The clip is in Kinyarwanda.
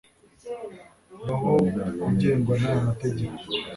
baho ugengwa n aya mategeko